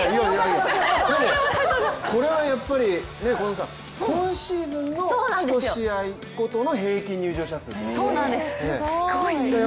いやいや、これは今シーズンの１試合ごとの平均入場者数ですから。